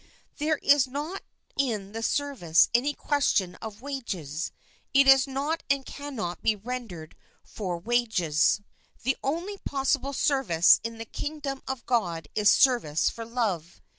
There is not in this service any question of wages. It is not and cannot be rendered for wages. The only possible service in the King dom of God is service for love.